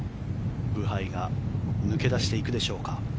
ブハイが抜け出していくでしょうか。